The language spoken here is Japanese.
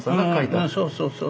うんそうそうそう。